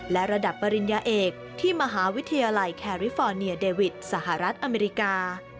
และระดับปริญญาเอกที่มหาวิทยาลัยแคริฟอร์เนียเดวิดสหรัฐอเมริกา